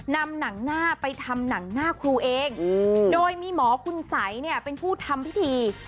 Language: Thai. นำหนังหน้าไปทำหนังหน้าครูเองโดยมีหมอคุณสัยเนี่ยเป็นผู้ทำพิธี